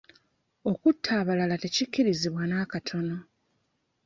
Okutta abalala tekikkirizibwa nakatono.